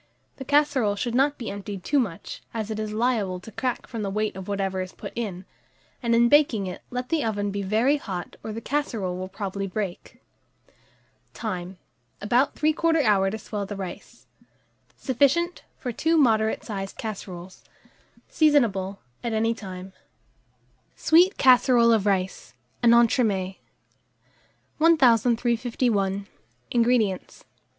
The casserole should not be emptied too much, as it is liable to crack from the weight of whatever is put in; and in baking it, let the oven be very hot, or the casserole will probably break. Time. About 3/4 hour to swell the rice. Sufficient for 2 moderate sized casseroles. Seasonable at any time. SWEET CASSEROLE OF RICE (an Entremets). 1351. INGREDIENTS.